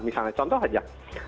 misalnya contoh saja